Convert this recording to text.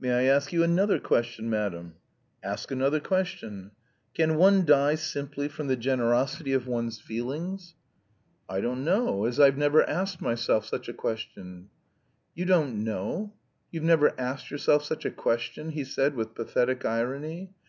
"May I ask you another question, madam?" "Ask another question." "Can one die simply from the generosity of one's feelings?" "I don't know, as I've never asked myself such a question." "You don't know! You've never asked yourself such a question," he said with pathetic irony.